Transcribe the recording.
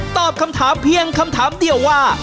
ตอบคำถามเพียงคำถามเดียวว่า